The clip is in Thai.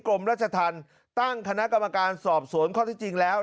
กรมราชธรรมตั้งคณะกรรมการสอบสวนข้อที่จริงแล้ว